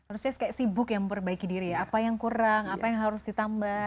harusnya kayak sibuk ya memperbaiki diri ya apa yang kurang apa yang harus ditambah